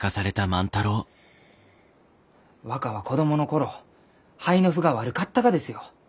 若は子どもの頃肺の腑が悪かったがですよ。